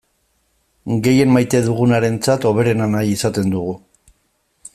Gehien maite dugunarentzat hoberena nahi izaten dugu.